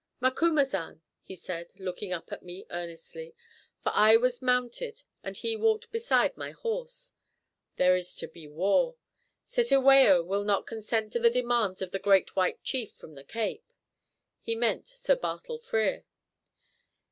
"Macumazahn," he said, looking up at me earnestly, for I was mounted and he walked beside my horse, "there is to be war. Cetewayo will not consent to the demands of the great White Chief from the Cape" he meant Sir Bartle Frere.